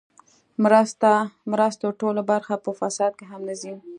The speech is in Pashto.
مرستو ټوله برخه په فساد کې هم نه ځي.